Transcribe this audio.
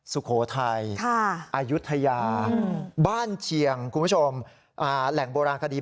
สุโขทัยอายุทยาบ้านเชียงคุณผู้ชมแหล่งโบราณคดี